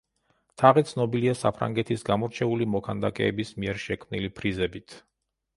თაღი ცნობილია საფრანგეთის გამორჩეული მოქანდაკეების მიერ შექმნილი ფრიზებით.